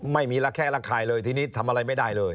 ไม่มีระแคะระคายเลยทีนี้ทำอะไรไม่ได้เลย